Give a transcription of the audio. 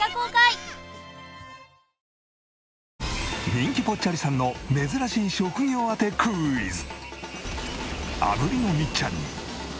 人気ぽっちゃりさんの珍しい職業当てクイズ。